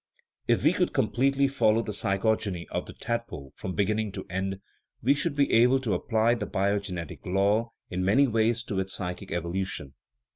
If we could completely follow the psychog eny of the tadpole from beginning to end, we should be able to apply the biogenetic law in many ways to its psychic evolution.